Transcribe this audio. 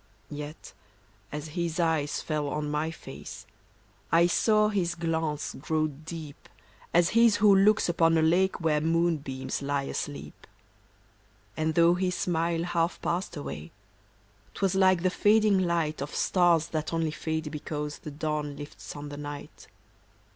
Yet as his eyes fell on my face, I saw his glance grow deep As his who looks upon a lake Where moonbeams lie asleep. 88 MYRNA. And though his smile half passed away, 'Twas like the fading light Of stars that only fade because The dawn lifts on the night.